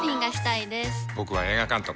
僕は映画監督。